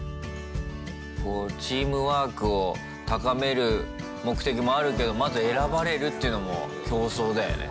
こうチームワークを高める目的もあるけどまず選ばれるっていうのも競争だよね。